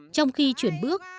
trong khi chuyển bước